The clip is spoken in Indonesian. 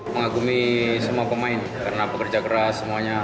mengagumi semua pemain karena pekerja keras semuanya